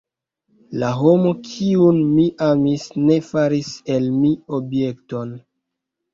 La homo, kiun mi amis, ne faris el mi objekton.